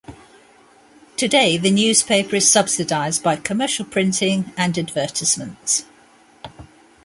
Today, the newspaper is subsidized by commercial printing and advertisements.